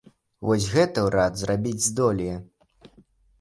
Вось гэта ўрад зрабіць здолее.